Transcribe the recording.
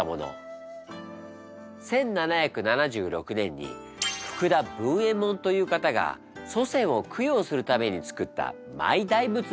１７７６年に福田文右衛門という方が祖先を供養するためにつくったマイ大仏なの。